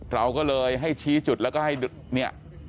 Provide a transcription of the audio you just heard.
เราก็เลยให้ชี้จุดแล้วก็ให้เนี่ย